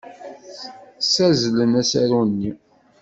Ssazzlen asaru-nni.